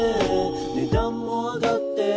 「値段も上がってく」